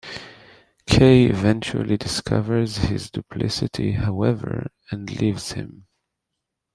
Kay eventually discovers his duplicity, however, and leaves him.